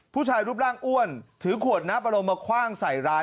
ผู้ชายรูปร่างอ้วนถือขวดน้ำอารมณ์มาคว่างใส่ร้าน